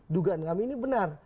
dugaan kami ini benar